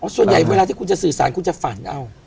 ส่วนใหญ่เวลาที่คุณจะสื่อสารคุณจะฝันเอา